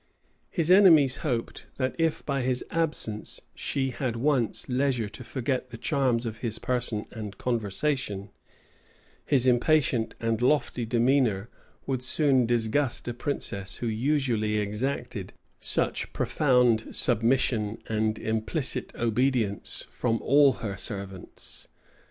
[]* Cox, p. 415. Bacon, vol. iv. p. 512. Cabala, p. 79. His enemies hoped, that if by his absence she had once leisure to forget the charms of his person and conversation, his impatient and lofty demeanor would soon disgust a princess who usually exacted such profound submission and implicit obedience from all her servants.